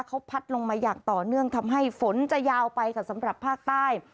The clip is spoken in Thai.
เขาพัดลงมาอย่างต่อเนื่องทำให้ฝนจะยาวไปค่ะสำหรับภาคใต้